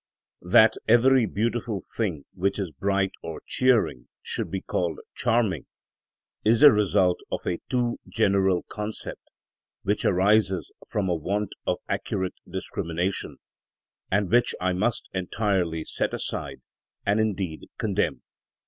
That every beautiful thing which is bright or cheering should be called charming, is the result of a too general concept, which arises from a want of accurate discrimination, and which I must entirely set aside, and indeed condemn.